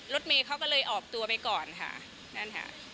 รถเมย์เขาก็เลยออกตัวไปก่อนค่ะนั่นค่ะ